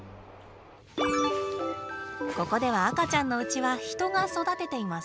ここでは赤ちゃんのうちは人が育てています。